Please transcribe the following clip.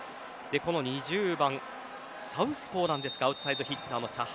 ２０番、サウスポーのアウトサイドヒッターのシャハ